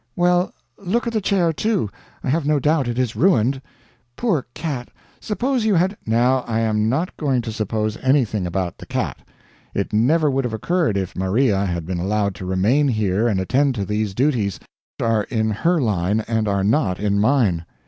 "Well, look at the chair, too I have no doubt it is ruined. Poor cat, suppose you had " "Now I am not going to suppose anything about the cat. It never would have occurred if Maria had been allowed to remain here and attend to these duties, which are in her line and are not in mine."